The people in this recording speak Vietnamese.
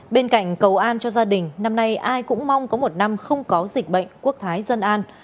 bên cạnh cầu an cho gia đình năm nay ai cũng mong có một năm không có dịch bệnh quốc thái dân an